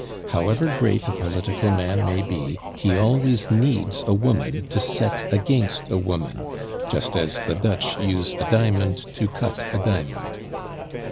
However great a political man may be, he always needs a woman to set against a woman, just as the Dutch use a diamond to cut a diamond.